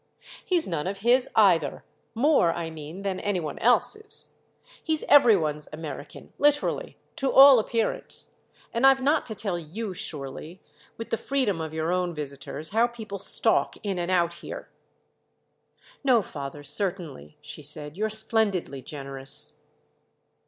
"He's none of his either—more, I mean, than any one else's. He's every one's American, literally—to all appearance; and I've not to tell you, surely, with the freedom of your own visitors, how people stalk in and out here." "No, father—certainly," she said. "You're splendidly generous."